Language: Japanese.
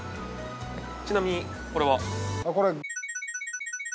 ちなみにこれは？